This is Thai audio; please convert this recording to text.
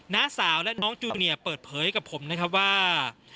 น้าสาวและน้องจูเนียเปิดเผยกับผมนะครับว่า